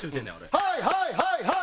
はいはいはいはい！